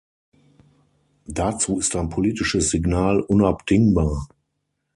Dazu ist ein politisches Signal unabdingbar.